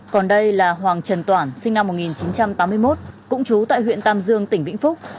còn đây là hoàng trần toản sinh năm một nghìn chín trăm tám mươi một cũng trú tại huyện tam dương tỉnh vĩnh phúc